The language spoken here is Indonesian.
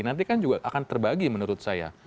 nanti kan juga akan terbagi menurut saya